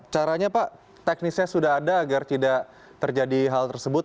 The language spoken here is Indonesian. caranya pak teknisnya sudah ada agar tidak terjadi hal tersebut